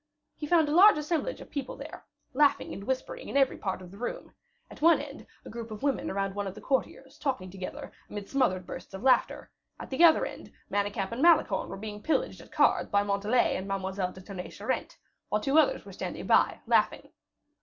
He found a large assemblage of people there, laughing and whispering in every part of the room; at one end, a group of women around one of the courtiers, talking together, amid smothered bursts of laughter; at the other end, Manicamp and Malicorne were being pillaged at cards by Montalais and Mademoiselle de Tonnay Charente, while two others were standing by, laughing.